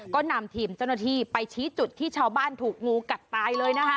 ก็นำทีมเจ้าหน้าที่ไปชี้จุดที่ชาวบ้านถูกงูกัดตายเลยนะคะ